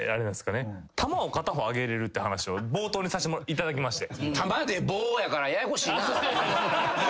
玉を片方上げれるって話を冒頭にさせていただきまして。